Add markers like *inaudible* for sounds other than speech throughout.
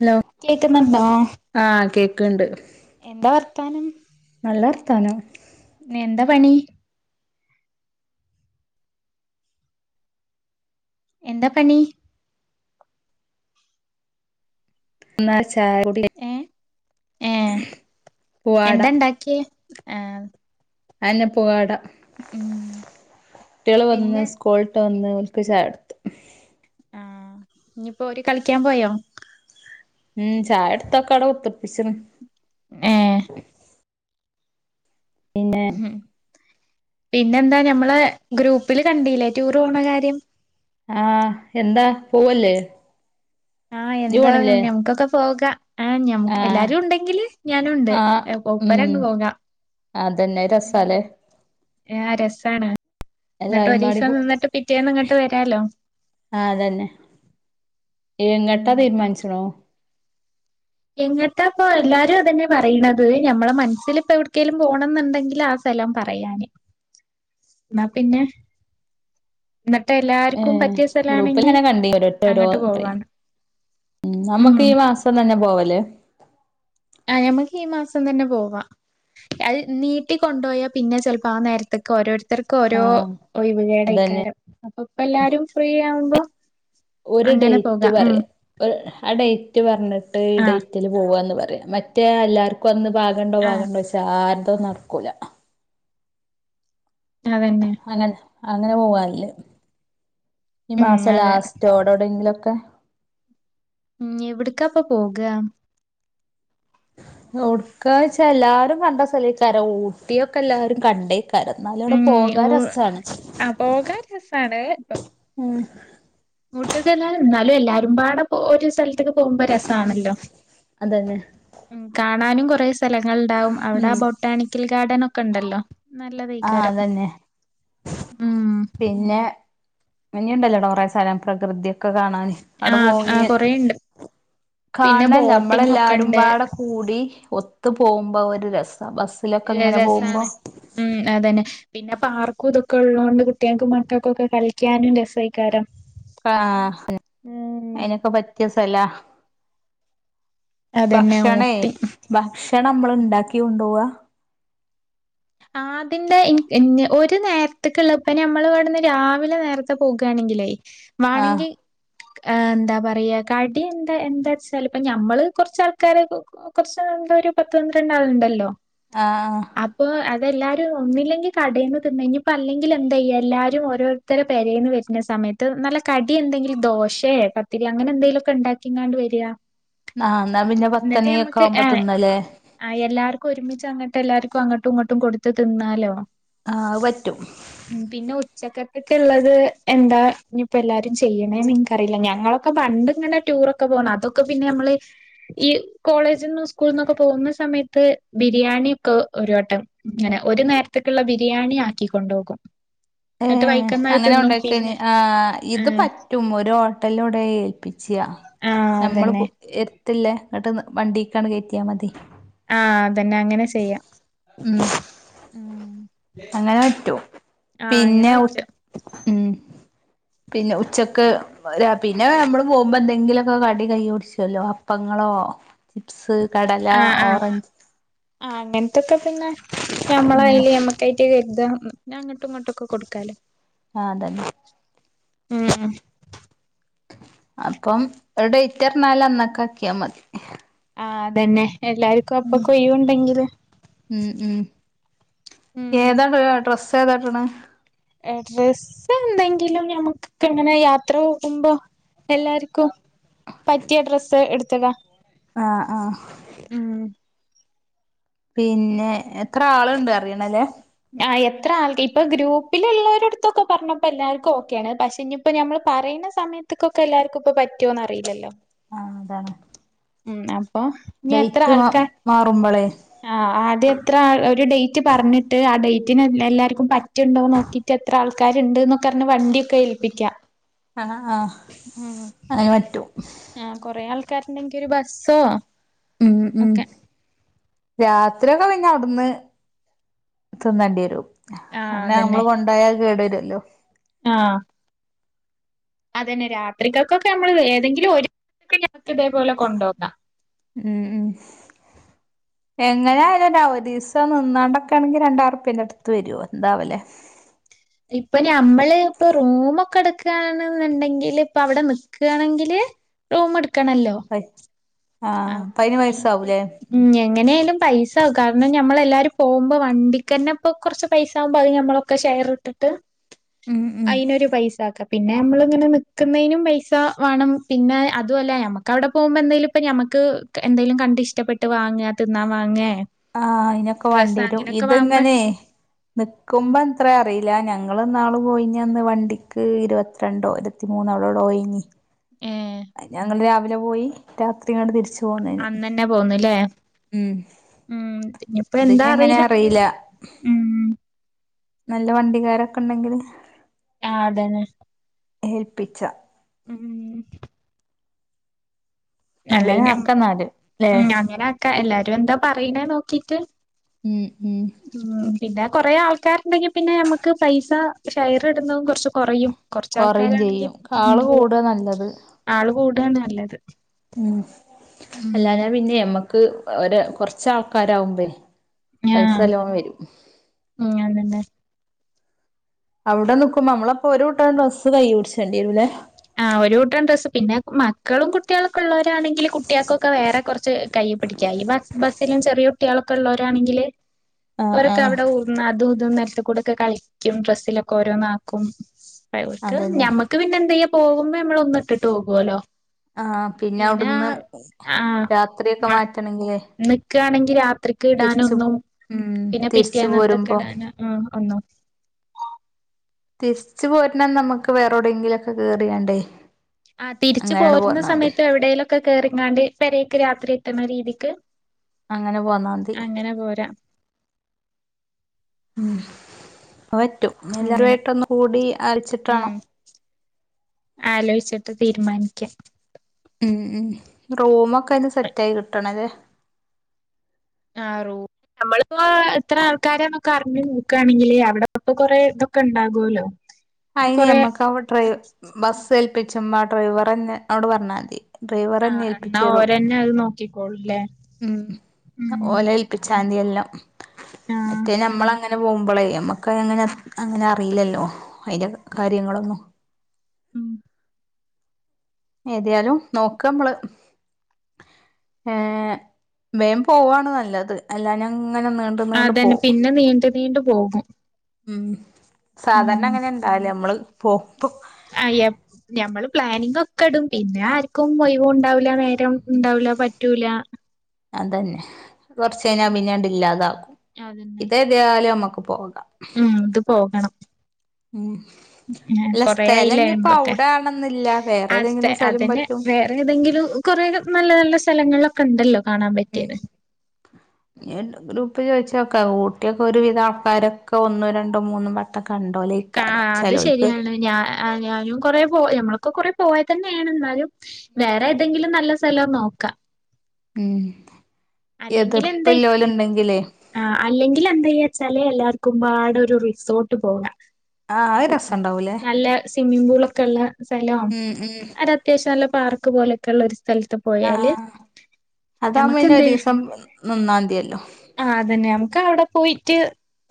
Hello കേക്കുന്നണ്ടാ ക്കണ്ട് എന്താ വർത്താനം നല്ല വർത്താനം നെന്താ പണി എന്താ പണി ഇന്നാ ചായകുടി ഏ ഏ പൂവാട ആഹ് അതന്നെ പൂവാട കുട്ട്യോള് വന്ന് പിന്നെ സ്കൂള്ട്ട് വന്ന് ഓൽക്ക് ചായൊട്ത്ത് ആഹ് ഇഞ്ഞ്പ്പോ ഓര് കളിക്കാൻ പോയോ ഉം ചായൊട്ത്തൊക്കെ അവടെ കുത്തിർപ്പിച്ച്ണ് ഏഹ് പിന്നെ ഹ് പിന്നെന്താ ഞമ്മളെ ഗ്രൂപ്പില് കണ്ടീല്ലേ ടൂർ പോണ കാര്യം. ആ എന്താ പോവല്ലേ? ആ ഇയ്യ് എന്താ പോണില്ലേ ഞമക്കൊക്കെ പോകാ ആം നമുക്ക് ആഹ് എല്ലാരു ഉണ്ടെങ്കില് ഞാനുണ്ട്. ആഹ് ഏഹ് ഉം കൊപ്പരങ്ങ് പോകാ. അതന്നെ അത് രസാലേ ഏഹ് രസാണ് ഇന്നിട്ട് എല്ലാരുംപാടി ഒരീസം പോ നിന്നിട്ട് പിറ്റേന്ന് ഇങ്ങട്ട് വരാലോ. ആഹ് അതന്നെ എങ്ങട്ടാ മ് തീരുമാനിച്ച്ണോ എങ്ങട്ടാപ്പ എല്ലാരു അതെന്നെ പറയ്ണത്. അഹ് നമ്മളെ മൻസ്സില് ഇപ്പ എവിട്ക്കേലും പോണംന്ന്ണ്ടെങ്കില് ആ സെലം പറയാന് ഇന്നാ പിന്നെ എന്നിട്ട് എല്ലാർക്കും ഏഹ് പറ്റിയ സ്ഥലാണെങ്കി ഗ്രൂപ്പില്ങ്ങനെ കണ്ടീനി ഓരോര്ത്തല് ഓരോ അങ്ങട്ട് ഇതെനു. പോവാണ് ഉം നമ്ക്ക് ഈ മാസം തന്നെ പോവ ലെ ആ നമ്മക്ക് ഈ മാസം തന്നെ പോവ. അത് നീട്ടി കൊണ്ടോയാ പിന്നെ ചെൽപ്പ ആ നേര്ത്ത്ക്ക് ഓരോര് ത്തർക്ക് ഓരോ ആഹ് ഒഴിവ് അതന്നെ കേടയ്ക്കാരം അപ്പ ഇപ്പ എല്ലാരും ഫ്രീ ങ്ങനാവുമ്പ ഒര് ഡെയ്റ്റ് പറയ ഒര് ഹാ ഡെയ്റ്റ് പറഞ്ഞിട്ട് ഈ ആ ഡെയ്റ്റ്ല് പോവ്ന്ന് പറയ്. മറ്റേ എല്ലാര്ക്കു അന്ന് വാഗണ്ട ആ വാങ്ങണ്ടാച്ച ആര്തും അഹ്‌ നടക്കൂല അതന്നെ അങ്ങനെ അങ്ങനെ പോവ് ല്ലെ ഈ ഉം മാസം അതെ ലാസ്റ്റ് ഓടോടെങ്കിലൊക്കെ ഉം എവിട്ക്കാപ്പ പോക് ഒട്ക്കാച്ച എല്ലാരും കണ്ട സ്ഥലെ ക്കാരെ ഊട്ടിയൊക്കെ എല്ലാരും കണ്ടേ ഉം ഓ അ പോകാൻ രസാണ് ഇപ്പം ഉം *unintelligible* എന്നാലും എല്ലാരും പാട പോവ് ഒരു സൽ ത്തക്ക് പോവുമ്പ രസാണല്ലോ അതന്നെ മ് കാര ഞാനും കുറേ സ് സ്ഥലങ്ങൾ ഇണ്ടാാവും അവിടെ ഉം ആ ബൊട്ടാണിക്കൽ ഗാർഡൻ ഒ ക്ക ഇണ്ടല്ലോ ആഹ് നല്ലതെയിക്കാരം അതന്നെ ഉം മഞ്ഞുണ്ടല്ലോ അടെ കുറേ സ്ഥലം പ്രകൃതിഒക്ക ഒക്ക കാണാന് അടെ ആഹ് ആഹ് പോകുനെ കൊറേണ്ട് കാൺ പിന്നെ ണല്ല ബോട്ടിംഗ് ഒക്കെണ്ട് നമ്മളഎല്ലാരുംപാടെ കൂടി ഒ ത്ത് പോവുമ്പോ ഒരു രസ് ഏ രസാണ് മ് അതന്നെ പിന്നെ പാർ ക്കുതൊക്കെ ഉള്ളോണ്ട് കുട്ടിയെക്ക് മക്കക്കൊക്കെ കളിക്കാനും രെസെക്കാരം ആ ഹ് അയിനൊക്കെ പറ്റിയ സലാ അതെന്നെ ഊട്ടി ക്ഷണം നമ്മള് ഇണ്ടാക്കി കൊണ്ടോവ് ആ അതിന്റെ ഇൻ ഞ്ഞ് ഒരു നേരത്ത് ക്ക്ള്ള പിന്നെ ഞമ്മള് ഇവിട്ന്ന് രാവിലെ നേരത്തെ പോക്ണെങ്കിലേ ആഹ് വാണെങ്കി ഏ എന്താ പറയാ കടി എന്ത്‌ എന്ത്‌ച്ചാല് ഇപ്പ ഞമ്മള് കുറച്ചആൾക്കാര് കുറച്ച് എന്താ ഒരു പത്ത് പന്ത്രണ്ടാള്ണ്ടല്ലോ ആ തെല്ലാരു ഒന്നില്ലെങ്കി കടെന്ന് തിന്ന് ഇഞ്ഞ് ഇപ്പഅല്ലെങ്കില് എന്തയ്യ എല്ലാരും ഓരോര്ത്തരെ പെരെന്ന് വര് ന്ന സമയത്ത് നല്ല കടി എന്തെങ്കിലും ദോശെ പത്തിരി അങ്ങനെ എന്തെങ്കിലു ഒക്കെ ഇണ്ടാക്കിക്കാണ്ട് വര് ആഹ് എന്നാ പിന്നെ ന്നിട്ട് പത്തണിയൊക്കെ നമ്മക്ക് ആവുമ്പോ ഏ തിന്നല്ലേ അ എല്ലാർക്ക് ഒരുമിച്ച് അങ്ങട്ട് എല്ലാര്ക്ക് അങ്ങ ഒട്ടും കൊടുത്ത് തിന്നാലോ ആ അഹ് പറ്റും ഒക്കെ ഇള്ളത് എന്താ ഇഞ്ഞിപ്പ എല്ലാരും ചെയ്യണേന്ന് ഇൻക്കറീല ഞങ്ങളൊക്കെ പണ്ട് ഇങ്ങനെ ടൂറൊക്കെ പോന്ന അതൊക്കെ പിന്നെ നമ്മള് ഈ കോളേജ്ന്ന് സ്കൂൾ ന്നൊക്കെ പോവ്ന്ന സമയത്ത് ബിരിയാണി ഒക്കെ ഒരുവട്ടം ങ്ങനെ ഒരു നേരത്ത്ക്ക്ള്ള ബിരിയാണി ആക്കി കൊണ്ടോകും ഏ എന്നിട്ട് വൈക്കന്നത് അങ്ങനെ തിന്നും കൊണ്ടെക്കെനി പിന്നെ ആ ഇത് ആഹ് പറ്റും ഒരു ഓട്ടൽണ്ടോയി ഏൽപ്പിച്ച് ആഹ് ഞമ്മള് അതന്നെ കു എ തില്ലേ ഇങ്ങട്ടെന്ന് വണ്ടിക്കാണ് കേറ്റ്യാ മതി ആ അതന്നെ അങ്ങനെ ചെയ്യാം ഉം അങ്ങനെ പറ്റും ആഹ് അങ്ങനെ പിന്നെ ഉ പറ്റും ഉം പിന്നെ ഉച്ചക്ക് രാ പിന്നെ നമ്മള് പോവുമ്പോ എന്തെങ്കിലൊക്കെ കടി കയ്യീ പിട്ച്ചൊല്ലോ അപ്പങ്ങളോ ചിപ്സ് കടല ആ ആ ഓറഞ്ച് ആ അങ്ങൻത്തൊക്കെ പിന്നെ ഉം ഞമ്മളയ്‌ല് ഞമ്മക്ക ട്ടിക്കെക്‌സാം പിന്നങ്ങോട്ട്ങ്ങോട്ടൊക്കെ കൊടുക്കാാലോ ആ ത *unintelligible* ഉം അപ്പം ഒരു ഡെയ്റ്റർഞ്ഞാല് അന്നക്കാക്ക്യാ മതി ആ അതന്നെ എല്ലാർക്കു അപ്പൊ കൊയ് വ് ണ്ടെങ്കില് ഏതാടാ ഡ്രസ്സ് ത്തെ താട്‌ണെ ഡ്രസ്സ് എന്തെങ്കിലും ഞമക് ഇങ്ങനെ യാത്ര പോകുമ്പം എല്ലാർക്കും പറ്റിയ ഡ്രസ്സ് എട് *unintelligible* ആ ആ പിന്നെ എത്ര ആള്ണ്ടറിയണല്ലേ ആഎത്ര ആൾ ഇപ്പൊ ഗ്രൂപ്പിലിള്ളോരട്ത്തൊക്കെ പർഞ്ഞപ്പോ എല്ലാർക്കോക്കെണ് പക്ഷെ ഞ്‌പ്പോ ഞമ്മള് പറീണ സമയത്ത്ക്കൊക്കെ എല്ലാർക്കു പ്പം പറ്റ്യോന്ന് അറില്ലല്ലോ ആ അതാണ് ഉം അ നിയത്ര ഡേറ്റ് മാ ആൾക്കാർ മാറുമ്പോളേ ആ ആദ്യ ത്ര ഒരു ഡേറ്റ് പർഞ്ഞി ട്ട് ആ ഡേറ്റിന് എല്ല എല്ലാർക്കും പറ്റുണ്ടോന്ന് നോക്കിട്ട് എത്ര ആൾക്കാരുണ്ട് ന്നൊക്കെ അർഞ് വണ്ടിയൊക്കെ ഏൽപ്പിക്കാ ആ ആ അങ്ങെനെ പറ്റും കാര്ണ്ടെങ്കി ഒരു ബസ്സോ ഉം ഉം ഒക്കെ രാത്രിയൊക്കെ പിന്ന ട്ന്ന് തിന്നണ്ട്യേരും ആഹ് അല്ല അമ്മള് കൊണ്ടായ അഅ് കേട ഹല്ലോ ആ അതന്നെ രാത്രിക്കൊക്കമ്മള് ഏതെങ്കിലും ഒര് ഉം എങ്ങനായാലൊരവദീസ് ഇക്ക നിന്നാണ്ടൊക്കാണങ്കില് രണ്ടാ ഇരുപ്യൻ്റെട് വെരോ എന്താവല്ലേ ഇപ്പ ഞമ്മൾ ഇപ്പൊ റൂമൊക്കെ എടുക്കണെന്നുണ്ടെങ്കിൽ ഇപ്പ അവിടെ നിക്കണെങ്കില് റൂം എടു ക്കണല്ലോ പൈ ആഹ് അപ്പ അപ്പൊ അയിന് പൈസ അയിന്റെ ആവൂലേ ഉം എങ്ങനെ ആയാലും പൈസ ആകും കാരണം ഞമ്മളെല്ലാരും പോകുമ്പോ വണ്ടിക്കന്നെ ഇപ്പൊ കുറച്ച് പൈസ ആവുമ്പോ അത് ഞമ്മളൊക്കെ ഷെയർ ഇട്ടിട്ട് ഉം ഉം അയിനൊരു പൈസക്ക പിന്നെ നമ്മളിങ്ങനെ നിക്കുന്നയിനും പൈസ വേണം പിന്നെ അതുവല്ല നമ്മക്ക് അവിടെ പോകുമ്പോ എന്തേലും ഇപ്പൊ ഞമ്മക്ക് എന്തെലും കണ്ട് ഇഷ്ടപ്പെട്ട് വാങ്ങ തിന്നാൻ വാങ്ങേ ആഹ് അയിനൊക്കെ വേണ്ടി ഡ്രസ്സ് വരും അങ്ങനെയൊക്കെ വാങ്ങുമ്പോ ഇത്ങ്ങനെ ഉം നിക്കുമ്പോ എത്ര അറിയ ഇല്ല ഞങ്ങൾ ഇനാള് പോയിഞ്ഞ് അന്ന് വണ്ടിക്ക് ഇരുപത്തിരണ്ടോ ഇരുപത്തി മൂന്നോ *unintelligible* പോയിഞ്ഞ ഏഹ് ഞങ്ങൾ രവ് വിലെ പോയി രാത്രി ഇങ്ങട്ട് തിരിച്ച് അന്നന്നെ പോന്നല്ലേ ഉം ഉം ഇനിയിപ്പ ഇതിനി എന്താ എങ്ങനെ അറിയില്ല ഉം നല്ല വണ്ടിക്കാരൊക്കെ ഉണ്ടെങ്കിൽ ആഹ് അതന്നെ ഏൽപ്പിച്ച ഉം അല്ല അങ്ങനെ ഇനി നം ആക്കന്നാല് ല്ലേ ഉം അങ്ങനാക്കാ എല്ലാരും എന്താ പറയുന്നേ നോ ക്കിട്ട് ഉം ഉം ആ പിന്നെ കൊറേ ആൾക്കാർ ണ്ടെങ്കിൽ പിന്നെ നമക്ക് പൈസ ഷെയർ ഇടുന്നതും കുറച്ച് കുറയും കൊറച്ച് കൊറയും കൊറച്ചാൾക്കാരാണെങ്കി ചെയ്യും ആള് കൂട നല്ലത് ടാണ് നല്ലത് ഉം ഉം അല്ലാ ഞാ പിന്നെ ഞമ്മ ക്ക് ഒര് കൊറച്ച് ആൾക്കാരാവുമ്പേ ആഹ് പൈസല്ലോ വരും ഉം അതന്നെ അവിടെ നിക്കുമ്പോ നമ്മളപ്പോ ഒരു കൂട്ടം ഡ്രസ്സ് കൈ പിടിച്ചേണ്ടി വരൂല്ലേ ആഹ് ഒരു കൂട്ടം ഡ്രസ്സ്, പിന്നെ മക്കളും കുട്ട്യോളൊക്കെ ഉള്ളവരാണെങ്കില് കുട്ട്യോൾക്കൊക്കെ വേറെ കുറച്ച് കൈയി പിടിക്കാം ഈ ബസ് ബസ്സിലും ചെറിയ കുട്ടികളൊക്കെ ഉള്ളവരാണെങ്കില് ആഹ് ഒരൊക്ക ആഹ് അവിടെ ഉർന്ന് അതുംഇതും നശ് കൂടൊക്കെ കളിക്കും ഡ്രസ്സിലൊക്കെ ഓരോന്ന് ആക്കും വയോർക്ക് അതന്നെ ഞമ്മക്ക് പിന്നെ എന്ത്‌ ചെയ്യും പോകുമ്പോ നമ്മൾ ഒന്ന് ഇട്ട് പോകുവല്ലോ ആഹ് പിന്നെ അവിടുന്ന് ആഹ് രാത്രിയൊക്കെ ആഹ് മാറ്റണെങ്കിലേ നിക്കണെങ്കി രാത്രിക്ക് തിരിച്ച് ഇടാനൊന്നും ഉം പിന്നെ തിരിച്ചു പിറ്റേന്നത്തക്കെ പോരുമ്പോ ഇടാന് ആഹ് ഒന്നും തിരിച്ച് പോര്ണ അന്ന് നമ്മക്ക് വേറൊ ടെങ്കിലൊക്കെ കേറിയാണ്ട് ആഹ് തിരിച്ചു പോരുന്ന സമയത്ത് എവിടേലൊക്കെ കേറിങ്ങാണ്ട് പെരേക്ക് രാത്രി എത്തണ രീതിക്ക് അങ്ങനെ പോന്നാ മതി അങ്ങനെ പോരാ ഉം അത് പറ്റും അങ്ങനെ എല്ലറുമായിട്ടൊന്ന് കൂടി ആലോയിച്ചിട്ട് ഉം വേണം ആലോചിച്ചിട്ട് തീരുമാനിക്കാം ഉം ഉം റൂമൊക്കെ എനി സെറ്റായി കിട്ടണല്ലേ ആഹ് റൂ നമ്മള് ഇപ്പോ എത്ര ആൾക്കാരാണ് ക്കെ അറിഞ്ഞ് നോക്കാണെങ്കില് അവിടെപ്പൊ കൊറേ ഇതൊക്കെ ഉണ്ടാകൂല്ലോ അയിന് അമ്മക്കവ ഡ്രൈ ബസ് ഏൽപ്പിച്ചുമ്മ ഡ്രൈവർ എന്നെ അന്നോട് പറഞ്ഞാൽ മതി ഡ്രൈവറന്നെ ആഹ് എന്നാ ഏൽപ്പിച്ചേരും ഓരന്നെ അത് നോക്കിക്കോളൂല്ലേ ഉം ഉം ഓലെ ഏൽപ്പിച്ചാ മതി എല്ലാം ആഹ് മറ്റേ നമ്മളെ അങ്ങനെ പോകുമ്പോളേ നമ്മക്ക് അങ്ങനെ അ അങ്ങനെ അറിയില്ലല്ലോ അയിന്റെ കാര്യങ്ങളൊന്നും ഉം ഏതിയാലും നോക്കാ ഇമ്മള് ഏഹ് വേം പോവാണ് നല്ലത് അല്ലാഞ്ഞാ ഇങ് അതന്നെ പിന്നെ നീണ്ടു നീണ്ടു പോകും ഉം സാധാരണ അങ്ങനെ ഇണ്ടാവില്ലേ നമ്മള് പോ ആ *unintelligible* ഞമ്മളും പ്ലാനിങ്ങൊക്കെ ഇടും, പിന്നെ ആരിക്കും ഒയിവും ഉണ്ടാവില്ല നേര രോം ഉണ്ടാവൂല പറ്റൂല അതന്നെ കൊറച്ച് കഴിഞ്ഞാ പിന്നാണ്ട് ഇല്ലാതാക്കും അതന്നെ ഇതേതാലും നമ്മക്ക് ഇപ്പോൾ ഉം ഇത് പോകണം ഉം ആഹ് അല്ല കൊറെ സ്ഥലം ആയില്ലേ ഇഞ്ഞിപ്പോ നമ്മളൊക്കെ അവിടാണെന്നില്ല വേറെ അ സ്റ്റ ഏതെങ്കിലും സ്ഥലം അതെന്നെ പറ്റും വേറെ ഏതെങ്കിലും കൊറെ നല്ല നല്ല സ് സ്ഥലങ്ങളിലൊക്കെ ഇണ്ടല്ലോ ഉം ഇൻ ഗ്രൂപ്പ് ചോയിച്ചോക്ക് ക്കാ ഊട്ടിയൊക്കെ ഒരുവിധ ആൾക്കാരൊക്കെ ഒന്നും രണ്ടോ മൂന്നും വട്ട *unintelligible* അത് ശരിയാണ് ഞാ ആഹ് ഞാനും കൊറെ പോ ഞമ്മളക്ക കൊറെ പോയത് തന്നെയാണ് എന്നാലും വേറെ ഏതെങ്കിലും നല്ല സ്ഥലവു നോക്ക ഉം അല്ലെങ്കിൽ എന്ത എതിർപ്പില്ലോല്ണ്ടെങ്കിലേ ആ അല്ലെങ്കിൽ എന്താ വച്ചാലേ എല്ലാവർക്കും കുംപാട ഒരു റിസോർട്ട് പോക ആഹ് അത് രസണ്ടാവൂലേ നല്ല സ്വിമ്മിംഗ പൂളൊക്കെ ഉള്ള സ്ഥല ആ ഉം ഉം അര അത്യാവശ്യം നല്ല പാർക്ക് പോലൊക്ക ഉള്ള സ്ഥലത്ത് പോയാല് ആഹ് ഞമക്കെന്തെ ച നന്നാംതിയല്ലോ പോയിട്ട്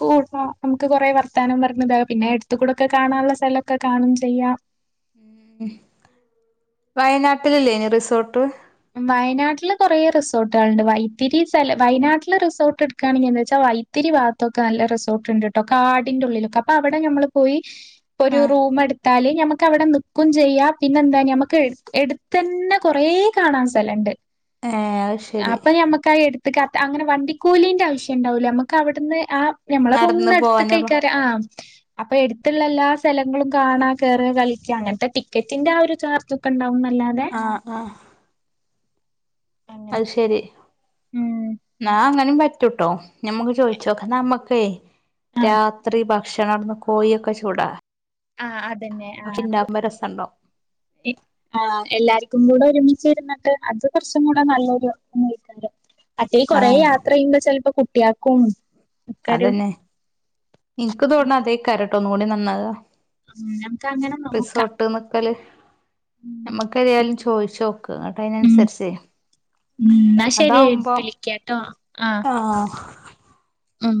കൂടണം നമുക്ക് കൊറെേ പോയിട്ട് പ കൊ നമുക്ക് കൊറെവർത്താനം പറഞ്ഞത പിന്നെ എടുത്ത കൂടെൊക്കെ കാണാനുള്ള സ്ഥലൊക്കെ കാണും ചെയ്യാം ഉ വയനാട്ടിലല്ലേനി റിസോർട്ട് വയനാട്ടില് കുറെേ റിസോർട്ടുകളുണ്ട് വൈത്തിരി സ്ഥലം വയനാട്ടില് റിസോർട്ട് എടുക്കുകയാണെങ്കിൽ എന്താ വെച്ചാ വൈത്തിരി ഭാഗത്തൊക്കെ നല്ല റിസോർട്ട്ുണ്ട് നട്ടോ കാടിന്റെള്ളിലൊക്കെ അപ്പൊ അവിടെ നമ്മൾ പോയി ഒരു ആഹ് റൂം എടുത്താല് ഞമുക്ക് അവടെ നിക്കും ചെയ്യ പിന്നെന്താണ്എടുത്ത്ു തന്നെ കൊറെ കാണാൻ സ്ഥലുണ്ട് ഏഹ് അത് ശരി അപ്പൊ ഞമ്മക്കായി എടു ക്അ അങ്ങനെ വണ്ടിക്കൂലിന്റെ ആവശ്യം ഉണ്ടാവൂല്ല നമുക്ക് അവിടുന്ന് ആ ഞമ്മളെ നടന്ന് റൂമിനിന്ന് എടുത്ത് പോവാനുള്ള ആയിക്കാരം അപ്പൊ എടുത്തുള്ള എല്ലാ സ്ഥലങ്ങളും കാണ കേയറ കളിക്കുക അങ്ങനത്തെ ടിക്കറ്റിന്റെ ആ ഒരു ചാർജ് ഒക്കെ ഉണ്ടാവുന്ന ആആ അങ്ങനെ അത് ശെരി ഉം നാഅങ്ങനി പറ്റ റ്റുട്ടോ നമ്മക്ക് ചോയിിച്ചോക്കനാ നമ്മക്കേ ആ രാത്രി ഭ ഭക്ഷണം അടന്ന് കോഴിയൊക്കെ ചൂടാ ആ അതന്നെ പക്ഷെ ആ ആ ഇണ്ടാക്കുമ്പോ രസണ്ടാവും ആ എല്ലാർക്കും കൂടെ ഒരുമിച്ചച്ച്ര അത് കുറച്ചും കൂടെ നല്ലൊരു നൈ കിണ്ട് അറ്റൽ കുറെേ ആഹ് യാത്ര ചെയ്യുമ്പോ ചിലപ്പോ യാക്കും അതന്നെ എനിക്ക് തോന്നണം അതെ കരട്ട ട്ടോ ഒന്നും കൂടി നന്നാക് അ ഉം നമുക്ക് അങ്ങനെ നോക്കാം റിസോർട്ട് നിക്കല് ഉം നമ്മക്കറയാലും ചോയിിച്ച നോക്ക എന്നട്ട് ഉം അന്നുസരിച്ചേ ഉം എന്നാ ശരി അതാവുമ്പോ വിളിക്കാട്ടോ ആ ആഹ ഉം